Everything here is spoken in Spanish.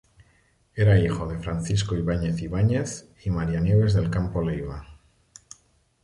Era hijo de Francisco Ibáñez Ibáñez y María Nieves del Campo Leiva.